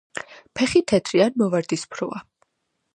ფეხი თეთრი ან მოვარდისფროა.